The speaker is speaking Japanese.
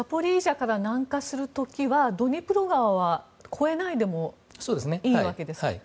ザポリージャから南下する時はドニプロ川は越えないでもいいわけですね。